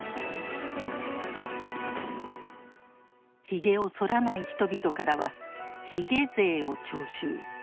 ひげをそらない人々からは「ひげ税」を徴収。